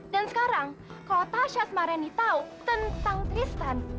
dan sekarang kalau tasya sama randi tahu tentang tristan